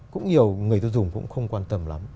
cũng nhiều người tiêu dùng cũng không quan tâm lắm